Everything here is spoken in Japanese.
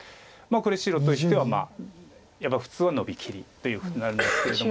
これ白としてはやっぱり普通はノビきりということになるんですけれども。